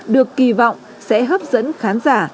được kỳ vọng sẽ hấp dẫn khán giả